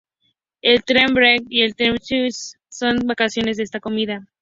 El "tea break" y el "tea sandwich" son dos variaciones de esta comida.